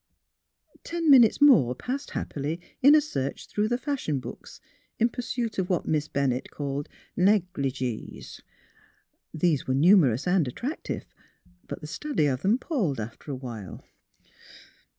Ten minutes more passed happily in a search through the fashion books in pursuit of what Miss Bennett called ''■ negii gees. '' These were numer ous and attractive ; but the study of them palled after a while.